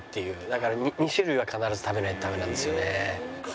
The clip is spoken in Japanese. だから２種類は必ず食べないとダメなんですよね。